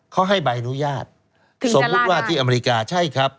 เขาให้ใบอนุญาตสมมุติว่าที่อเมริกาใช่ครับ